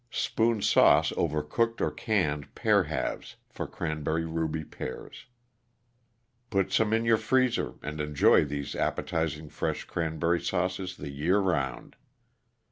= Spoon sauce over cooked or canned pear halves for Cranberry Ruby Pears. _Put some in your freezer and enjoy these appetizing fresh cranberry sauces the year round.